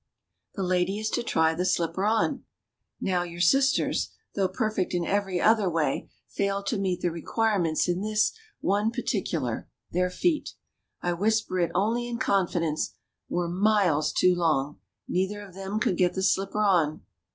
The lady is to try the slipper on. Now, your sisters, though perfect in every other way, failed to meet the requirements in this one particular ; their feet — I whis per it only in confidence — were miles too big ; neither of them could get the slipper on.